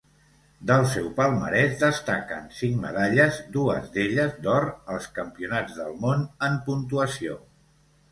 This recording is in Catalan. Del seu palmarès destaquen, cinc medalles, dues d'elles d'or, als Campionats del món en Puntuació.